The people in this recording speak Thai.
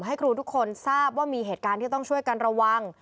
ให้ครูทุกคนทราบว่ามีเหตุการณ์ที่ต้องช่วยกันระวัง